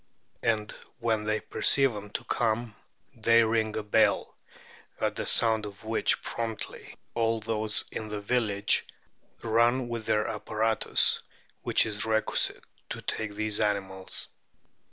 And when they perceive, them to come they ring a bell, at the sound of which promptly all those in the village run with their apparatus which is requisite to take these animals.